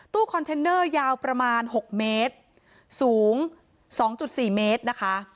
คอนเทนเนอร์ยาวประมาณ๖เมตรสูง๒๔เมตรนะคะ